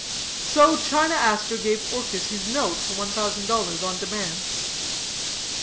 So China Aster gave Orchis his note for one thousand dollars on demand.